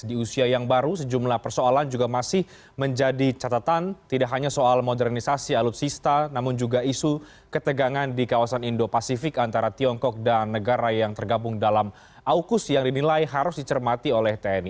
di usia yang baru sejumlah persoalan juga masih menjadi catatan tidak hanya soal modernisasi alutsista namun juga isu ketegangan di kawasan indo pasifik antara tiongkok dan negara yang tergabung dalam aukus yang dinilai harus dicermati oleh tni